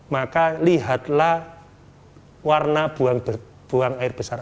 maka lihatlah warna buang air besar